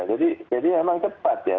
jadi memang cepat ya